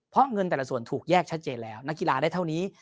เพราะเงินแต่ละส่วนถูกแยกชัดเจนแล้วนักกีฬาได้เท่านี้